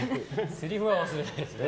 せりふは忘れないですね。